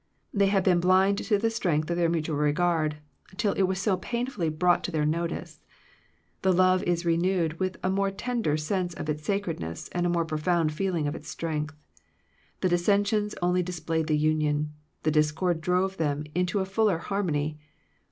They had been blind to the strength of their mutual regard, till it was so painfully brought to their notice. The love is renewed with a more tender sense of its sacredness, and a more profound feeling of its strength. The dissensions only displayed the union; the discord drove them to a fuller harmony.